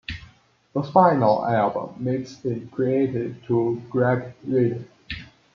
The final album mix is credited to Greg Reely.